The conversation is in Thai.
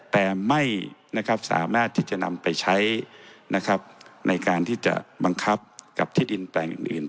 แต่ไม่สามารถที่จะนำไปใช้ในการที่จะบังคับกับที่ดินแปลงอื่น